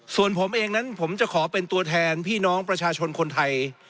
ส่วนผมเองนั้นผมจะขอเป็นตัวแทนพี่น้องประชาชนคนไทย